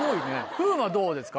風磨どうですか？